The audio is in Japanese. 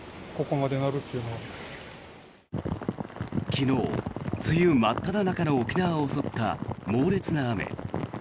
昨日、梅雨真っただ中の沖縄を襲った猛烈な雨。